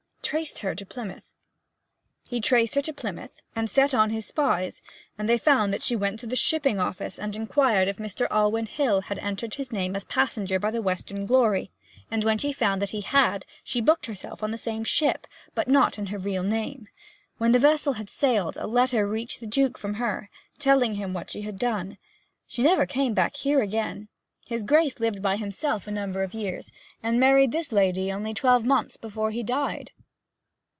'Traced her to Plymouth?' 'He traced her to Plymouth, and set on his spies; and they found that she went to the shipping office, and inquired if Mr. Alwyn Hill had entered his name as passenger by the Western Glory; and when she found that he had, she booked herself for the same ship, but not in her real name. When the vessel had sailed a letter reached the Duke from her, telling him what she had done. She never came back here again. His Grace lived by himself a number of years, and married this lady only twelve months before he died.'